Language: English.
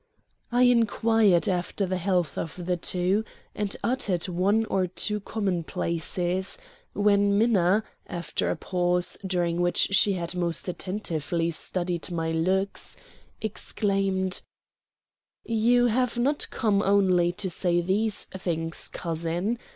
I inquired after the health of the two and uttered one or two commonplaces, when Minna, after a pause, during which she had most attentively studied my looks, exclaimed: "You have not come only to say these things, cousin.